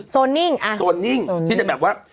โซนนิ่งโซนนิ่งที่จะแบบว่า